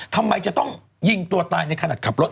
ทำไมจะต้องยิงตัวตายในขณะขับรถ